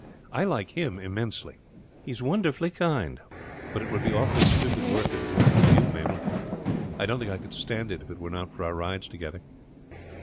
I like him immensely. He is wonderfully kind; but it would be awfully stupid work if it weren't for you, Mabel. I don't think I could stand it if it were not for our rides together."